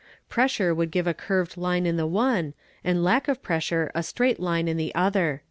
Pressure would give a curved line in the one, and lack of pressure a straight line in the other.